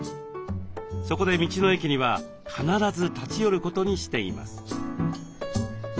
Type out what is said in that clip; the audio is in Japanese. そこで道の駅には必ず立ち寄ることにしています。